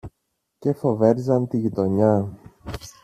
και φοβέριζαν τη γειτονιά.